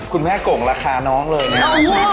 คุณแม่โก่งราคาน้องเลยเนี่ย